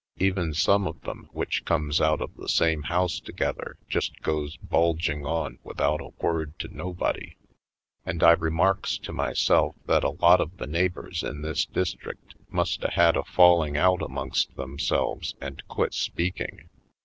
Even some of them which comes out of the same house together just goes bulging on without a word to nobody, and I remarks to myself that a lot of the neigh bors in this district must a had a falling out amongst themselves and quit speaking.